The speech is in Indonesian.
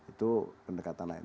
itu pendekatan lain